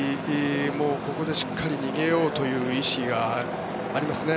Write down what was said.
もうここでしっかり逃げようという意思がありますね。